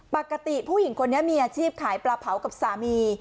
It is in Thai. ปกติผู้หญิงคนนี้มีอาชีพขายปลาเผากับสามี